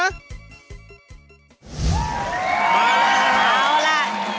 เอาล่ะเอาล่ะ